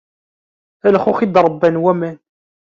A lxux i d-ṛebban waman.